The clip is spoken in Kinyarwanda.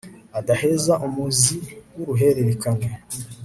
adaheza umuzi w'uruhererekane